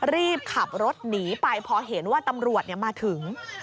รีบขับรถหนีไปพอเห็นว่าตำรวจมาถึง